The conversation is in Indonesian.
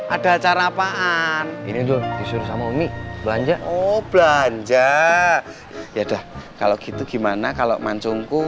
ada acara apaan ini tuh disuruh sama umi belanja oh belanja ya dah kalau gitu gimana kalau mancungku